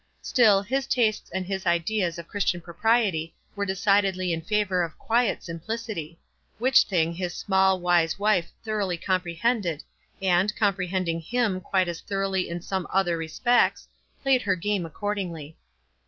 Still, his tastes and his ideas of Chris tian propriety were decidedly in favor of quiet simplicity. Which thing his small, wise wife thoroughly comprehended, and, comprehending him quite as thoroughly in some other respects, played her game accordingly.